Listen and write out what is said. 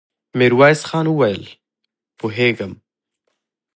ميرويس خان وويل: پوهېږم.